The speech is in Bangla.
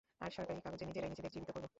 আর সরকারি কাগজে নিজেরাই নিজেদের জীবিত করবো।